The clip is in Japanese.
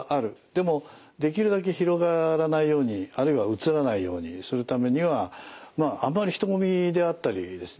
でもできるだけ広がらないようにあるいはうつらないようにするためにはまああんまり人混みであったりですね